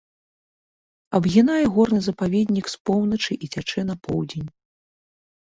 Абгінае горны запаведнік з поўначы і цячэ на поўдзень.